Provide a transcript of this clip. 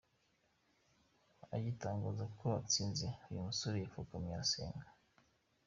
Agitangazwa ko atsinze, uyu musore yapfukamye arasenga.